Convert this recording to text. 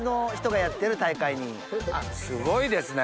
すごいですね。